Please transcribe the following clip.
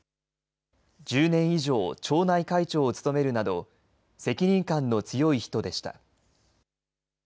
１０年以上、町内会長を務めるなど、責任感の強い人でした。